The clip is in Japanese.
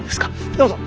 どうぞ。